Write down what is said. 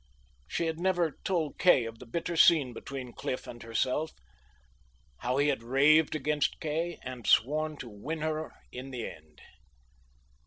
She had never told Kay of the bitter scene between Cliff and herself, how he had raved against Kay and sworn to win her in the end.